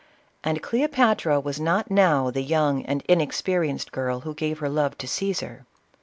— And Cleopatra was not now the young and inexperienced girl who gave her love to Caesar.